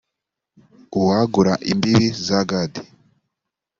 uwagura imbibi za gadi